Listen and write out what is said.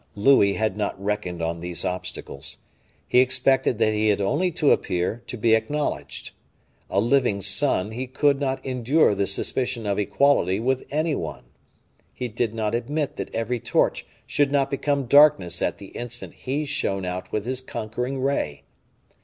Louis had not reckoned on these obstacles. He expected that he had only to appear to be acknowledged. A living sun, he could not endure the suspicion of equality with any one. He did not admit that every torch should not become darkness at the instant he shone out with his conquering ray.